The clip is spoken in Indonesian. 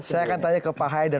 saya akan tanya ke pak haidar